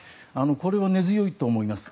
これは根強いと思います。